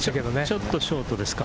ちょっとショートですか？